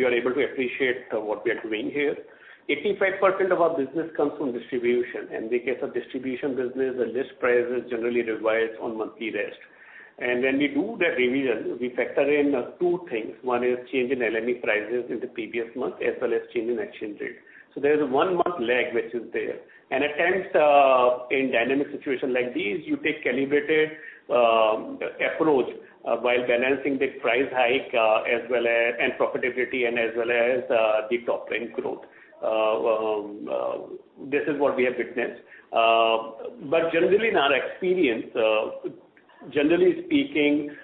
are able to appreciate what we are doing here. 85% of our business comes from distribution, in the case of distribution business, the list price is generally revised on monthly rest. When we do that revision, we factor in two things. One is change in LME prices in the previous month as well as change in exchange rate. There's a one-month lag which is there. At times in dynamic situation like these, you take calibrated approach while balancing the price hike and profitability and as well as the top-line growth. This is what we have witnessed. Generally speaking,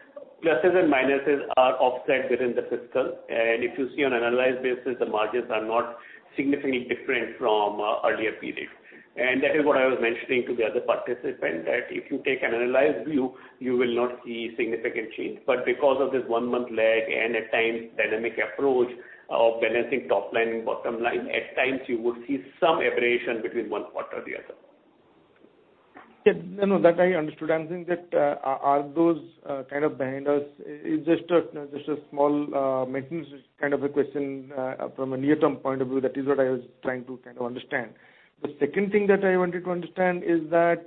pluses and minuses are offset within the fiscal. If you see on an analyzed basis, the margins are not significantly different from earlier periods. That is what I was mentioning to the other participant, that if you take an analyzed view, you will not see significant change. Because of this one-month lag and, at times, dynamic approach of balancing top line and bottom line, at times you would see some aberration between one quarter or the other. No, that I understood. I'm saying that are those kind of behind us, it's just a small maintenance kind of a question from a near-term point of view? That is what I was trying to understand. The second thing that I wanted to understand is that,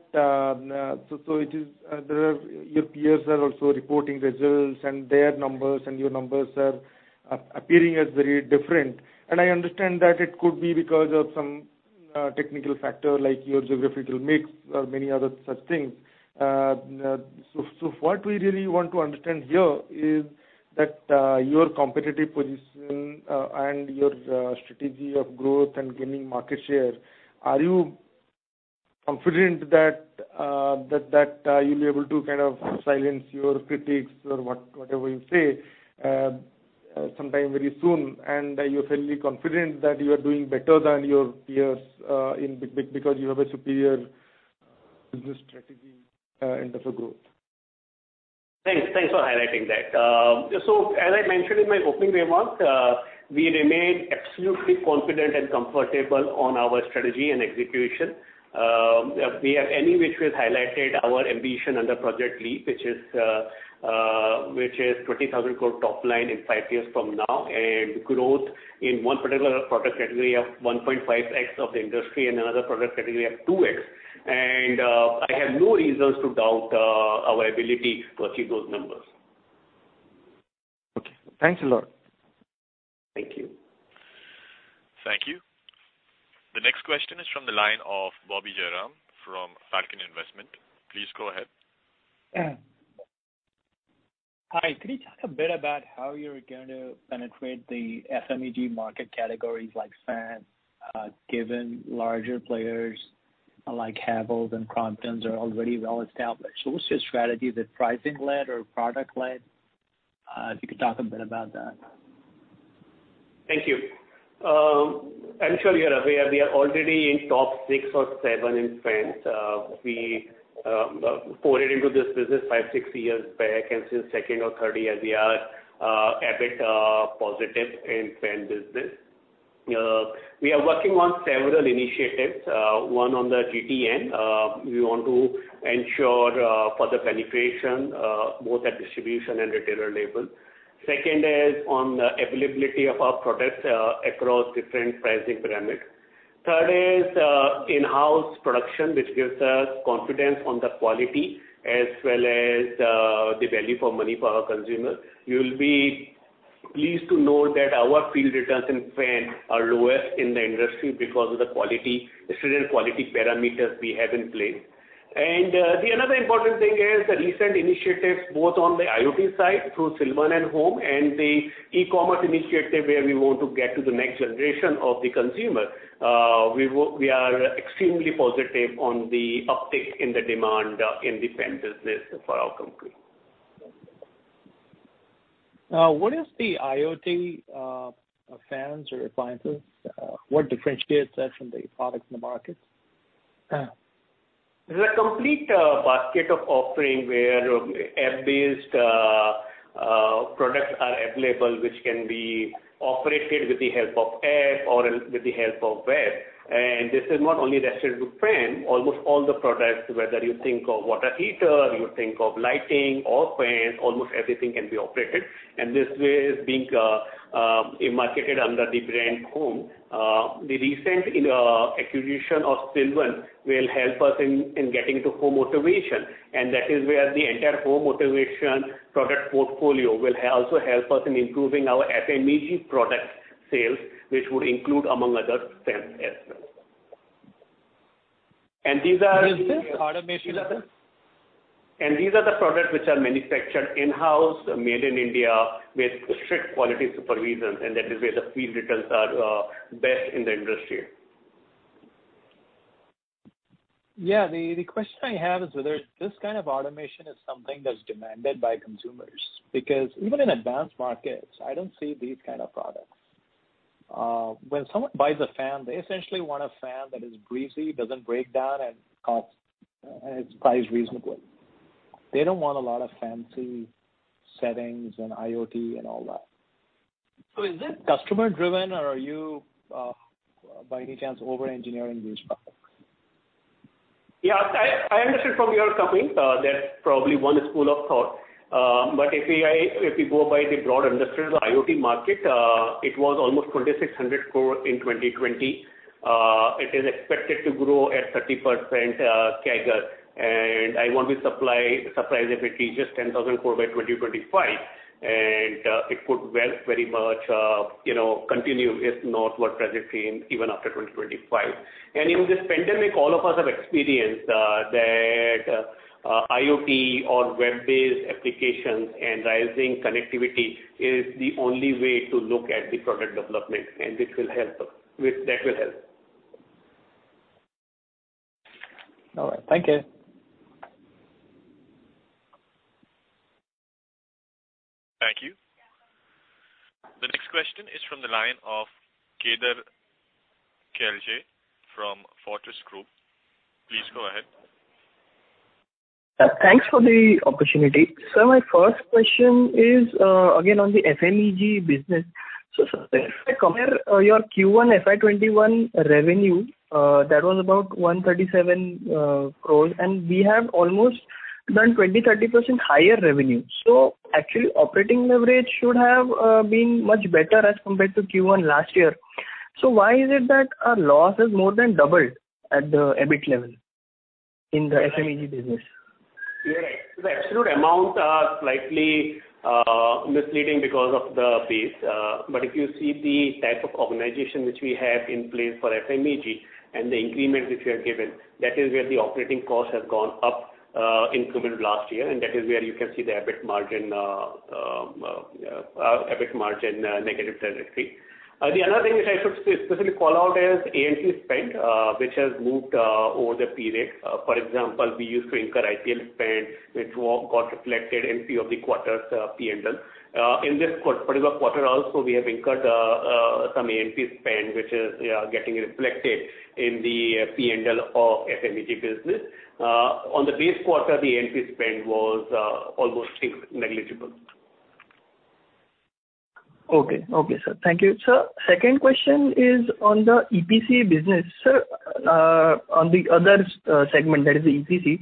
your peers are also reporting results and their numbers and your numbers are appearing as very different. I understand that it could be because of some technical factor like your geographical mix or many other such things. What we really want to understand here is that your competitive position, and your strategy of growth and gaining market share, are you confident that you'll be able to kind of silence your critics or whatever you say, sometime very soon? Are you fairly confident that you are doing better than your peers, because you have a superior business strategy in terms of growth? Thanks for highlighting that. As I mentioned in my opening remarks, we remain absolutely confident and comfortable on our strategy and execution. We have anyway highlighted our ambition under Project LEAP, which is 20,000 crore top line in five years from now, and growth in one particular product category of 1.5x of the industry and another product category of 2x. I have no reasons to doubt our ability to achieve those numbers. Okay. Thanks a lot. Thank you. Thank you. The next question is from the line of Bobby Jayaraman from Falcon Investment. Please go ahead. Hi. Could you talk a bit about how you're going to penetrate the FMEG market categories like fans, given larger players like Havells and Crompton are already well-established. What's your strategy? Is it pricing-led or product-led? If you could talk a bit about that. Thank you. I'm sure you're aware we are already in top six or seven in fans. We forayed into this business five, six years back, and since second or third year, we are EBIT positive in fan business. We are working on several initiatives. One on the GTM. We want to ensure further penetration, both at distribution and retailer level. Second is on the availability of our products across different pricing parameters. Third is in-house production, which gives us confidence on the quality as well as the value for money for our consumer. You'll be pleased to know that our field returns in fans are lowest in the industry because of the stringent quality parameters we have in place. The another important thing is the recent initiatives, both on the IoT side through Silvan and HOHM, and the e-commerce initiative where we want to get to the next generation of the consumer. We are extremely positive on the uptick in the demand in the fan business for our company. What is the IoT fans or appliances, what differentiates that from the products in the market? There's a complete basket of offering where app-based products are available, which can be operated with the help of app or with the help of web. This is not only restricted to fans. Almost all the products, whether you think of water heater, you think of lighting or fans, almost everything can be operated, and this way is being marketed under the brand HOHM. The recent acquisition of Silvan will help us in getting to home automation, and that is where the entire home automation product portfolio will also help us in improving our FMEG product sales, which would include, among others, fans as well. Is this automation? These are the products which are manufactured in-house, made in India with strict quality supervisions, and that is where the field returns are best in the industry. Yeah. The question I have is whether this kind of automation is something that's demanded by consumers, because even in advanced markets, I don't see these kind of products. When someone buys a fan, they essentially want a fan that is breezy, doesn't break down, and is priced reasonably. They don't want a lot of fancy settings and IoT and all that. Is it customer driven or are you, by any chance, over-engineering these products? Yeah, I understand from your comment, that's probably one school of thought. If we go by the broad industries or IoT market, it was almost 2,600 crore in 2020. It is expected to grow at 30% CAGR. I won't be surprised if it reaches 10,000 crore by 2025. It could well very much continue, if not what presently, even after 2025. In this pandemic, all of us have experienced that IoT or web-based applications and rising connectivity is the only way to look at the product development, and that will help. All right. Thank you. Thank you. The next question is from the line of [Kedar Kelje] from Fortis Group. Please go ahead. Thanks for the opportunity. Sir, my first question is, again, on the FMEG business. Sir, if I compare your Q1 FY 2021 revenue, that was about 137 crore, and we have almost done 20%-30% higher revenue. Actually, operating leverage should have been much better as compared to Q1 last year. Why is it that our loss has more than doubled at the EBIT level in the FMEG business? Yeah. The absolute amount are slightly misleading because of the base. If you see the type of organization which we have in place for FMEG and the increments which we have given, that is where the operating costs have gone up incremental last year, and that is where you can see the EBIT margin negative trajectory. Another thing which I should specifically call out is A&P spend, which has moved over the period. For example, we used to incur IPL spend, which got reflected in few of the quarters' P&L. In this particular quarter also, we have incurred some A&P spend, which is getting reflected in the P&L of FMEG business. On the base quarter, the A&P spend was almost negligible. Okay, sir. Thank you. Sir, second question is on the EPC business. Sir, on the other segment, that is the EPC.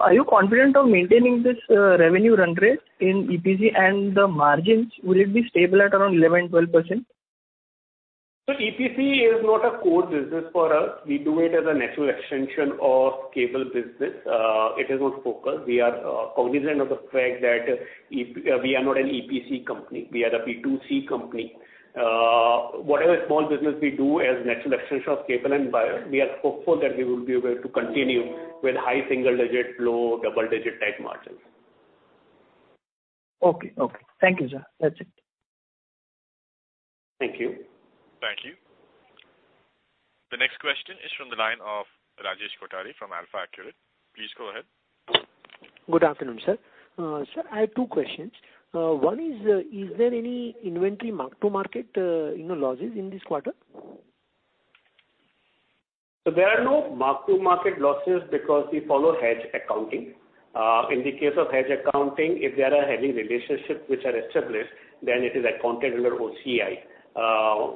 Are you confident of maintaining this revenue run rate in EPC and the margins, will it be stable at around 11%-12%? EPC is not a core business for us. We do it as a natural extension of cable business. It is [on focal]. We are cognizant of the fact that we are not an EPC company. We are a B2C company. Whatever small business we do as natural extension of cable and wire, we are hopeful that we will be able to continue with high single-digit, low double-digit type margins. Okay. Thank you, sir. That's it. Thank you. Thank you. The next question is from the line of Rajesh Kothari from AlfAccurate Advisors. Please go ahead. Good afternoon, sir. Sir, I have two questions. One is there any inventory mark-to-market losses in this quarter? There are no mark-to-market losses because we follow hedge accounting. In the case of hedge accounting, if there are any relationships which are established, then it is accounted under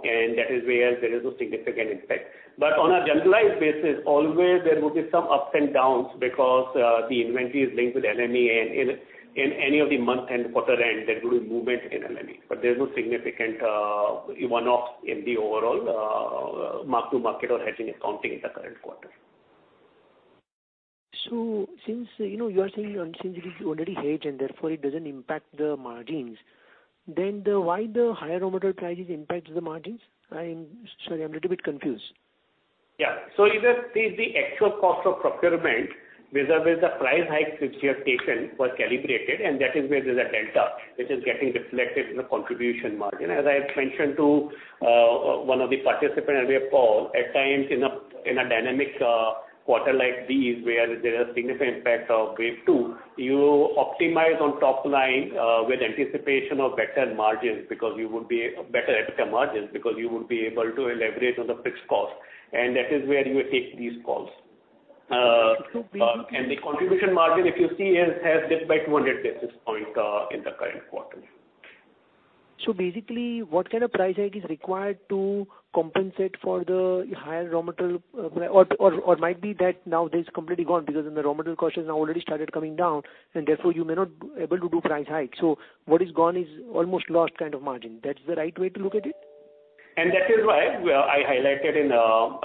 OCI. That is where there is no significant impact. On a generalized basis, always there will be some ups and downs because the inventory is linked with LME and in any of the month end, quarter end, there will be movement in LME. There's no significant one-off in the overall mark-to-market or hedging accounting in the current quarter. Since you are saying, since it is already hedged and therefore it doesn't impact the margins, then why the higher raw material prices impacts the margins? Sorry, I'm a little bit confused. Yeah. If the actual cost of procurement vis-à-vis the price hike which we have taken was calibrated, and that is where there's a delta, which is getting reflected in the contribution margin. As I had mentioned to one of the participant earlier Rahul, at times in a dynamic quarter like these where there is a significant impact of wave two, you optimize on top line with anticipation of better EBITDA margins, because you would be able to leverage on the fixed cost, and that is where you take these calls. The contribution margin, if you see, has dipped by 200 basis points in the current quarter. Basically, what kind of price hike is required to compensate for the higher raw material? Might be that now that is completely gone because the raw material cost has already started coming down, and therefore you may not be able to do price hike. What is gone is almost lost kind of margin. That's the right way to look at it? That is why I highlighted in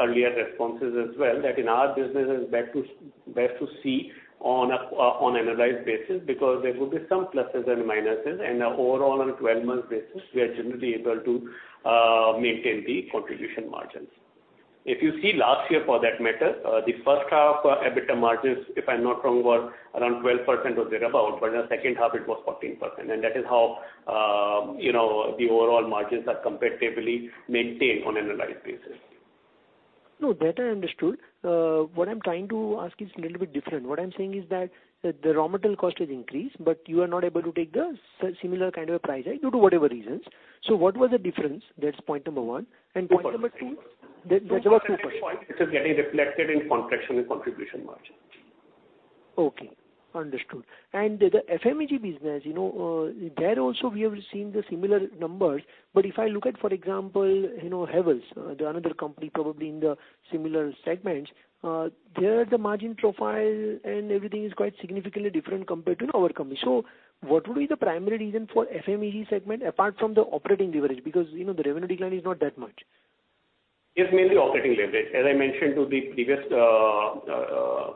earlier responses as well, that in our business it's best to see on an analyzed basis, because there will be some pluses and minuses, and overall on a 12-month basis, we are generally able to maintain the contribution margins. If you see last year for that matter, the first half EBITDA margins, if I'm not wrong, were around 12% or thereabout, but in the second half it was 14%. That is how the overall margins are comparatively maintained on analyzed basis. No, that I understood. What I am trying to ask is little bit different. What I am saying is that the raw material cost has increased, but you are not able to take the similar kind of a price hike due to whatever reasons. What was the difference? That's point number one. Point number two. It is getting reflected in contraction in contribution margin. Okay. Understood. The FMEG business, there also we have seen the similar numbers. If I look at, for example, Havells, the another company probably in the similar segments, there the margin profile and everything is quite significantly different compared to our company. What would be the primary reason for FMEG segment apart from the operating leverage? Because the revenue decline is not that much. It's mainly operating leverage. As I mentioned to the previous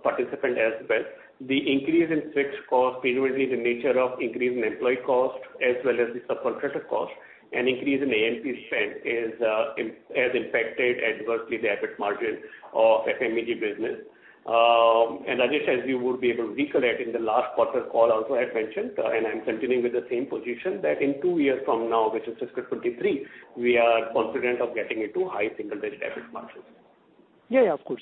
participant as well, the increase in fixed cost, primarily the nature of increase in employee cost as well as the subcontractor cost, and increase in A&P spend has impacted adversely the EBIT margin of FMEG business. As I said, we would be able to reconnect. In the last quarter call also I had mentioned, and I'm continuing with the same position, that in two years from now, which is fiscal 2023, we are confident of getting into high single-digit EBIT margins. Yeah, of course.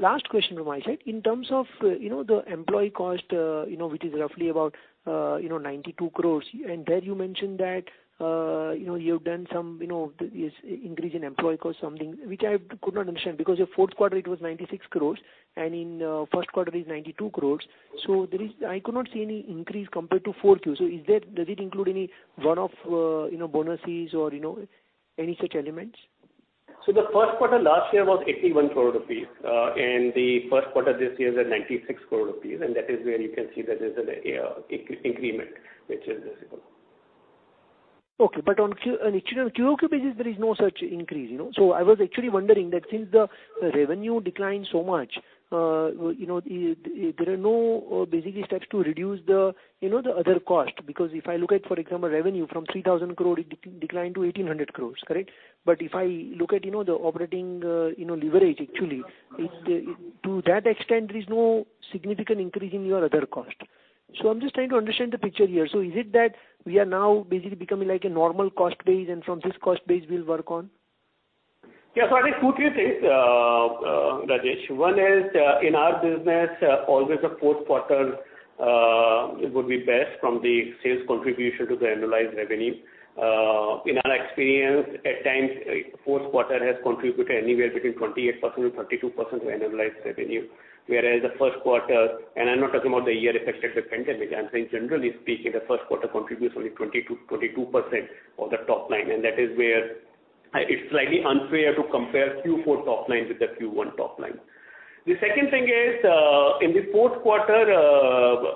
Last question from my side, in terms of the employee cost, which is roughly about 92 crore, and there you mentioned that you've done some increase in employee cost, something which I could not understand because your Q4, it was 96 crore, and in Q1 is 92 crore. I could not see any increase compared to Q4. Does it include any one-off bonuses or any such elements? The first quarter last year was 81 crore rupees, and the first quarter this year is at 96 crore rupees. That is where you can see there is an increment, which is visible. Okay. On a QOQ basis, there is no such increase. I was actually wondering that since the revenue declined so much, there are no basic steps to reduce the other cost. If I look at, for example, revenue from 3,000 crore, it declined to 1,800 crore. Correct? If I look at the operating leverage actually, to that extent, there is no significant increase in your other cost. I'm just trying to understand the picture here. Is it that we are now basically becoming like a normal cost base, and from this cost base we'll work on? Yeah. I think two things, Rajesh. One is, in our business, always the fourth quarter would be best from the sales contribution to the analyzed revenue. In our experience, at times, fourth quarter has contributed anywhere between 28%-32% to analyzed revenue, whereas the first quarter, I'm not talking about the year affected with pandemic, I'm saying generally speaking, the first quarter contributes only 20%-22% of the top line, that is where it's slightly unfair to compare Q4 top line with the Q1 top line. The second thing is, in the fourth quarter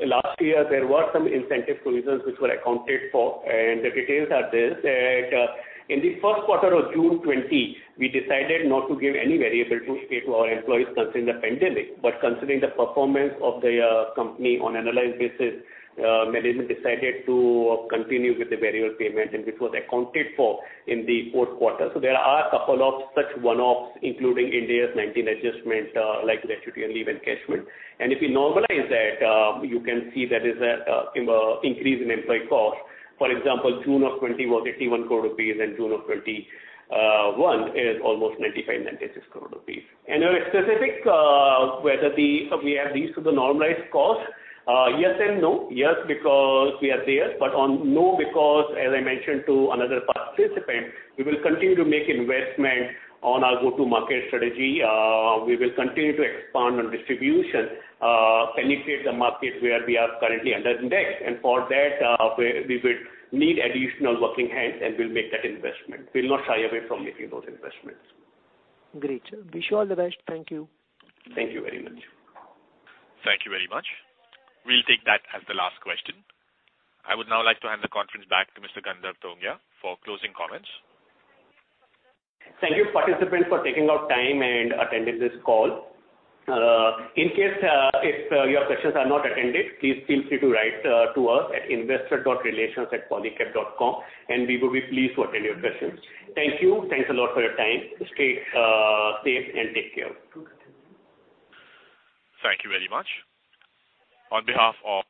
last year, there were some incentive provisions which were accounted for, the details are this, that in the first quarter of June 2020, we decided not to give any variable to our employees considering the pandemic. Considering the performance of the company on annualized basis, management decided to continue with the variable payment, and this was accounted for in the fourth quarter. There are a couple of such one-offs, including Ind AS 19 adjustment, like statutory leave encashment. If you normalize that, you can see there is an increase in employee cost. For example, June of 2020 was 81 crore rupees, and June of 2021 is almost 95 crore-96 crore rupees. Specific whether we have reached to the normalized cost, yes and no. Yes, because we are there, but on no, because as I mentioned to another participant, we will continue to make investment on our go-to-market strategy. We will continue to expand on distribution, penetrate the markets where we are currently under-indexed. For that, we would need additional working hands, and we'll make that investment. We'll not shy away from making those investments. Great. Wish you all the best. Thank you. Thank you very much. Thank you very much. We will take that as the last question. I would now like to hand the conference back to Mr. Gandharv Tongia for closing comments. Thank you, participants, for taking out time and attending this call. In case if your questions are not attended, please feel free to write to us at investor.relations@polycab.com, and we will be pleased to attend your questions. Thank you. Thanks a lot for your time. Stay safe and take care. Thank you very much. On behalf of-